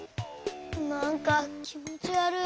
なんかきもちわるい。